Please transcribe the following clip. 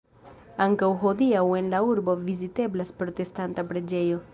Ankaŭ hodiaŭ en la urbo viziteblas protestanta preĝejo.